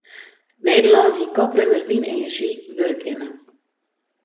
Nederlân hie koprinner wynenerzjy wurde kinnen.